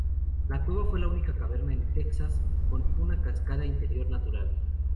La cueva fue la única caverna en Texas, con una cascada interior natural.